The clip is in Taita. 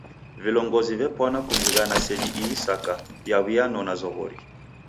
Vilongozi vepwana kuzighana seji ihi saka yaw'ianona zoghori.